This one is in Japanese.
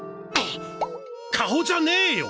顔じゃねえよ！